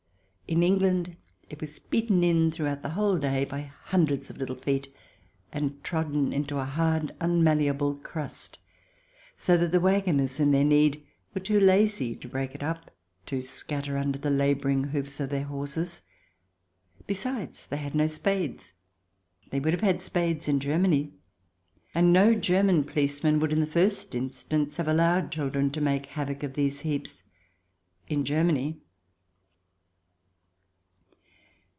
In England it was beaten in throughout the whole day by hundreds of little feet, and trodden into a hard, unmalleable crust, so that the waggoners in their need were too lazy to break it up to scatter under the labouring hoofs of their horses. Besides, they had no spades. They would have spades in Germany, and no German policeman would in the first instance have allowed children to make havoc of these heaps — in Germany.